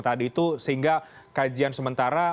tadi itu sehingga kajian sementara